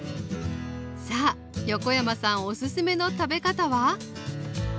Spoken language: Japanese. さあ横山さんおすすめの食べ方は？